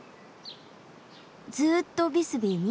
ずっとビスビーに？